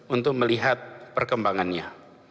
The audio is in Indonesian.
untuk melihat perkembangannya